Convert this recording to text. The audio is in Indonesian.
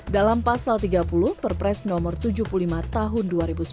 dalam pasal tiga puluh perpres nomor tujuh puluh lima tahun dua ribu sembilan belas